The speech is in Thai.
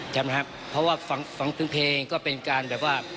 เพราะว่าฝังเพลงเพลงก็เป็นการแบบว่า